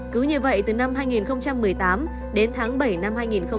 cứ như vậy từ năm hai nghìn một mươi tám đến tháng bảy năm hai nghìn một mươi chín